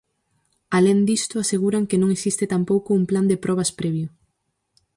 Alén disto, aseguran que non existe tampouco un plan de probas previo.